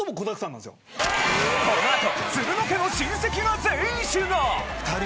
このあとつるの家の親戚が全員集合！